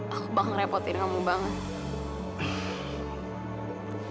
aku bakal ngerepotin kamu banget